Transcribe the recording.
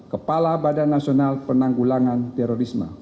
kepala badan nasional penanggulangan terorisme